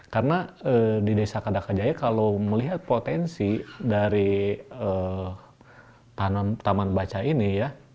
karena di desa kadakajaya kalau melihat potensi dari taman baca ini